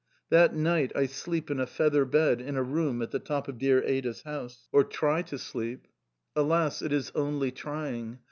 That night I sleep in a feather bed in a room at the top of dear Ada's house. Or try to sleep! Alas, it is only trying.